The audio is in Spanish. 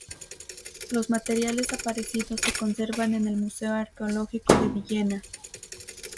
Los materiales aparecidos se conservan en el Museo Arqueológico de Villena.